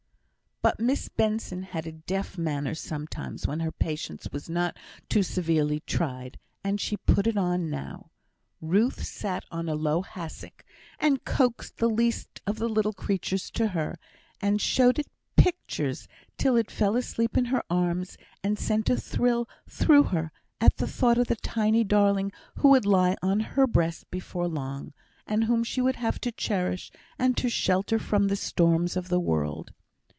But Miss Benson had a deaf manner sometimes when her patience was not too severely tried, and she put it on now. Ruth sat on a low hassock, and coaxed the least of the little creatures to her, and showed it pictures till it fell asleep in her arms, and sent a thrill through her, at the thought of the tiny darling who would lie on her breast before long, and whom she would have to cherish and to shelter from the storms of the world.